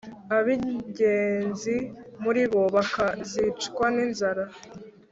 Ab’ingenzi muri bo bakazicwa n’inzara,